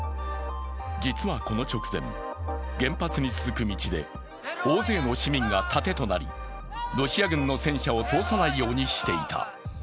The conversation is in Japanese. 実はこの直前、原発に続く道で大勢の市民が盾となりロシア軍の戦車を通さないようにしていた。